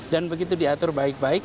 dan begitu diatur baik baik